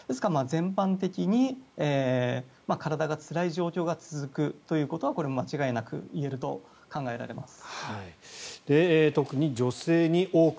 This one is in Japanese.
全般的に体がつらい状況が続くということはこれは間違いなく言えると考えられます。